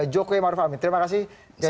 jokowi maruf amin terima kasih